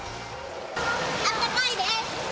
あったかいです。